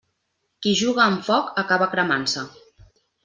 Qui juga amb foc acaba cremant-se.